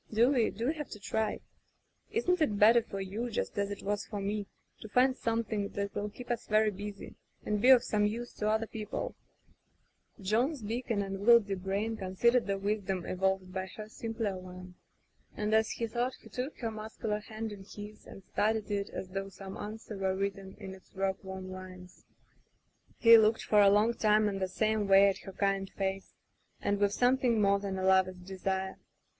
Do we — do we have to try ? Isn't it better for you, just as it was for me, to find something that'll keep us very busy, and be of some use to other people ?"[ 226 ] Digitized by LjOOQ IC Martha John's big and unwieldy brain considered the wisdom evolved by her simpler one, and, as he thought, he took her muscular hand in his and studied it as though some answer were written in its work worn lines. He looked for a long time in the same way at her kind face, and with something more than a lover's desire.